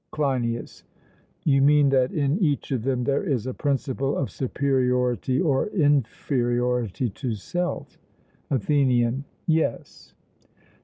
CLEINIAS: You mean that in each of them there is a principle of superiority or inferiority to self? ATHENIAN: Yes.